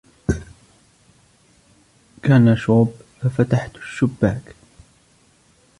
كان شوب ، ففتحت الشباك